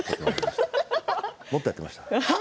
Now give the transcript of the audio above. もっとやってました。